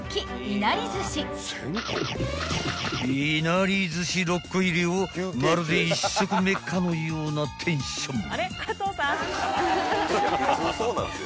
［いなり寿し６個入りをまるで１食目かのようなテンション］